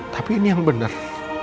tapi ini yang benar